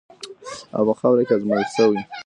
او په خاوره کې ازمویل شوې.